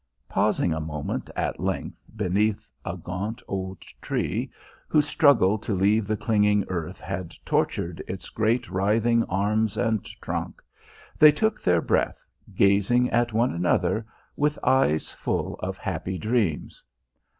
Pausing a moment at length beneath a gaunt old tree, whose struggle to leave the clinging earth had tortured its great writhing arms and trunk, they took their breath, gazing at one another with eyes full of happy dreams.